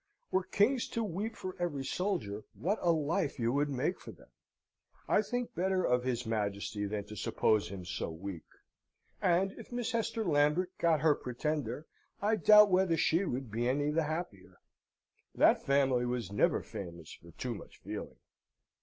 Were kings to weep for every soldier, what a life you would make for them! I think better of his Majesty than to suppose him so weak; and, if Miss Hester Lambert got her Pretender, I doubt whether she would be any the happier. That family was never famous for too much feeling."